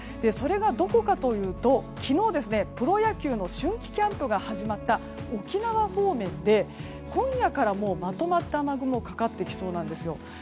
それがどこかというと昨日、プロ野球の春季キャンプが始まった、沖縄方面で今夜からまとまった雨雲がかかってきそうなんですよ。